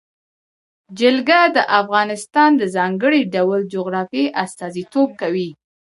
جلګه د افغانستان د ځانګړي ډول جغرافیه استازیتوب کوي.